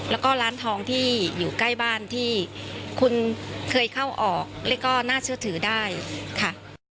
แล้วก็ร้านทองที่อยู่ใกล้บ้านที่คุณเคยเข้าออกแล้วก็น่าเชื่อถือได้ค่ะ